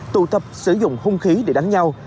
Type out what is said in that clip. tụ tập sử dụng hung khí để đánh nhau